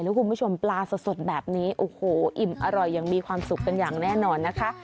แล้วคุณผู้ชมปลาสดแบบนี้โอ้โหอิ่มอร่อยอย่างมีความสุขกันอย่างแน่นอนนะคะ